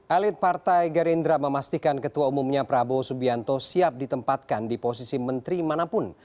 elit partai gerindra memastikan ketua umumnya prabowo subianto siap ditempatkan di posisi menteri manapun